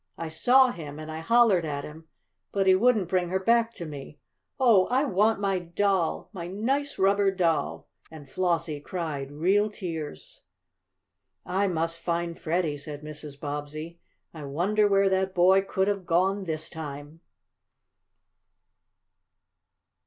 I saw him, and I hollered at him, but he wouldn't bring her back to me. Oh, I want my doll my nice rubber doll!" and Flossie cried real tears. "I must find Freddie," said Mrs. Bobbsey. "I wonder where that boy could have gone this time?"